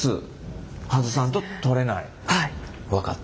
分かった。